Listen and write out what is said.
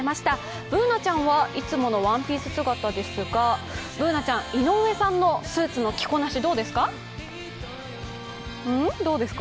Ｂｏｏｎａちゃんはいつものワンピース姿ですが、Ｂｏｏｎａちゃん、井上さんのスーツの着こなしどうですか？